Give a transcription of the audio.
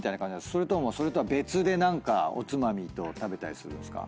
それともそれとは別で何かおつまみ食べたりするんですか？